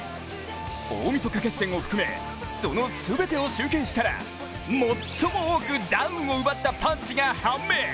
大みそか決戦を含めその全てを集計したら最も多くダウンを奪ったパンチが判明！